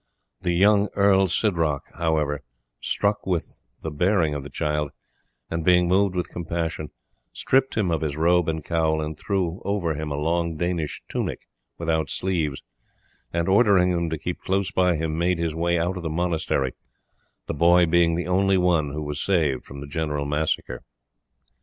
The young Earl Sidroc, however, struck with the bearing of the child, and being moved with compassion, stripped him of his robe and cowl, and threw over him a long Danish tunic without sleeves, and ordering him to keep close by him, made his way out of the monastery, the boy being the only one who was saved from the general massacre.